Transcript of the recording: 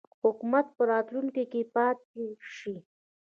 حکومت په راتلونکي کې پاته شي.